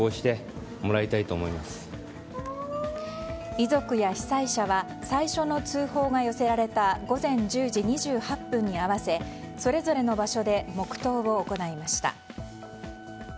遺族や被災者は最初の通報が寄せられた午前１０時２８分に合わせそれぞれの場所で黙祷を行いました。